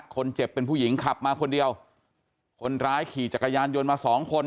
คนเจ็บเป็นผู้หญิงขับมาคนเดียวคนร้ายขี่จักรยานยนต์มาสองคน